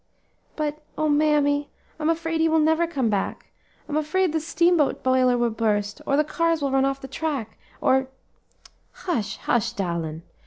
"But, O mammy! I'm afraid he will never come back. I'm afraid the steamboat boiler will burst, or the cars will run off the track, or " "Hush, hush, darlin'!